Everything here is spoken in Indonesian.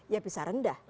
ya bisa rendah